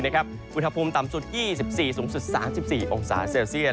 วิทยาภูมิต่ำสุด๒๔สูงสุด๓๔โอกาสเซลเซียน